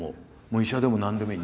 医者でも何でもいい。